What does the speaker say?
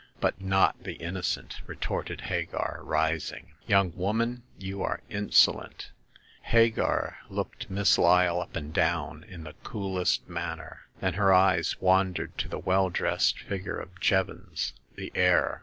But not the innocent,*' retorted Hagar, rising. Young woman, you are insolent ! Hagar looked Miss Lyle up and down in the coolest manner; then her eyes wandered to the The Second Customer. 75 well dressed figure of Jevons, the heir.